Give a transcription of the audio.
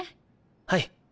はい。